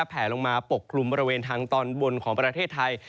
แผลลงมาปกคลุมบริเวณทางตอนบนของประเทศไทย